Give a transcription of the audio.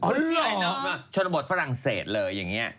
ชนบทฝรั่งเศสเลยอย่างนี้